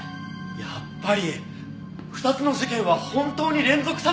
やっぱり２つの事件は本当に連続殺人だったんだ！